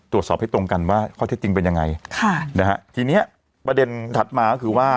ตรวจสอบให้ตรงกันว่าข้อเท็จจริงเป็นยังไงค่ะนะฮะทีเนี้ยประเด็นถัดมาก็คือว่า